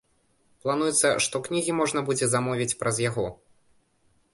Плануецца, што кнігі можна будзе замовіць праз яго.